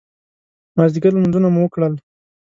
مازدیګر لمونځونه مو وکړل.